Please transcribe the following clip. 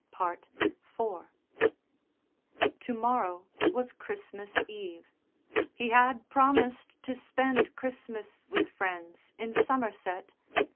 IV To morrow was Christmas Eve: he had promised to spend Christmas with friends in Somerset.